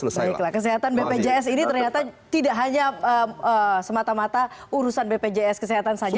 baiklah kesehatan bpjs ini ternyata tidak hanya semata mata urusan bpjs kesehatan saja